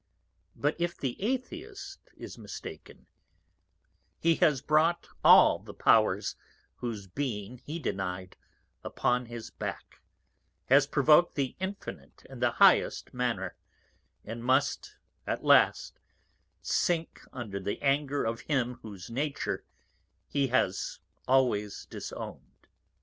But if the Atheist is mistaken, he has brought all the Powers, whose Being he deny'd, upon his Back, has provok'd the Infinite in the highest manner, and must at last sink under the Anger of him whose Nature he has always disown'd.